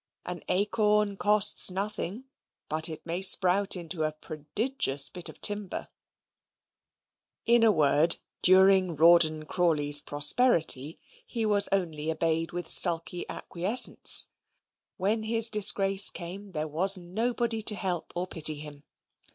An acorn costs nothing; but it may sprout into a prodigious bit of timber. In a word, during Rawdon Crawley's prosperity, he was only obeyed with sulky acquiescence; when his disgrace came, there was nobody to help or pity him.